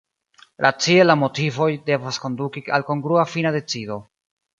Racie la motivoj devas konduki al kongrua fina decido.